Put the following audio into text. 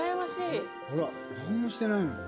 ほら何もしてないのに。